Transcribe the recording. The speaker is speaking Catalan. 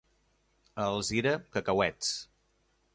A Alzira, cacauets.